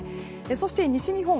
そして西日本。